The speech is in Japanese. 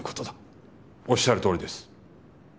おっしゃるとおりです。